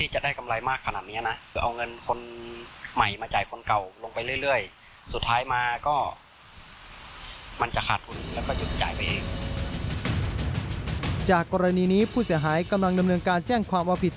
จากกรณีนี้ผู้เสียหายกำลังดำเนินการแจ้งความว่าผิด